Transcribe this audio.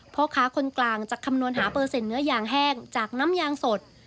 พ่อค้าคนกลางจะคำนวณหาเปอร์เซ็นเนื้อยางแห้งจากน้ำยางสด